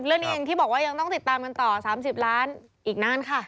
เรื่องนี้ถึงต้องควรติดตามกันต่อ๓๐ล้านอีกนั้นค่ะ